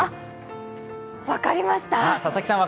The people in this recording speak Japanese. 分かりました。